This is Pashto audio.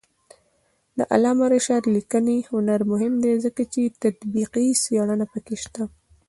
د علامه رشاد لیکنی هنر مهم دی ځکه چې تطبیقي څېړنه پکې شته.